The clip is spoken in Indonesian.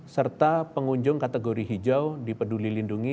serta pengunjung kategori hijau dipeduli lindungi